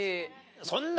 そんな。